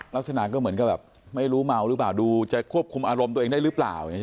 ลักษณะก็เหมือนกับแบบไม่รู้เมาหรือเปล่าดูจะควบคุมอารมณ์ตัวเองได้หรือเปล่า